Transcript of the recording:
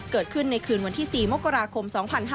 เกิดขึ้นในคืนวันที่๔มกราคม๒๕๕๙